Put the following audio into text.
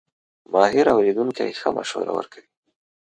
ماهر اورېدونکی ښه مشوره ورکوي.